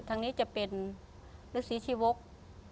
ทางนี้จะเป็นฤษีชีวก